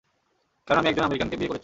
কারণ আমি একজন আমেরিকানকে বিয়ে করেছি।